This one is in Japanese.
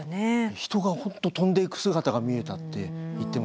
人が本当飛んでいく姿が見えたって言ってましたね。